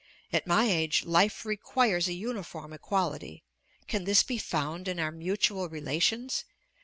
At my age, life requires a uniform equality; can this be found in our mutual relations?